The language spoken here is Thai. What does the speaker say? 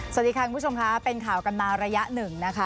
สวัสดีค่ะคุณผู้ชมค่ะเป็นข่าวกันมาระยะหนึ่งนะคะ